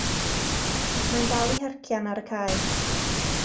Mae'n dal i hercian ar y cae.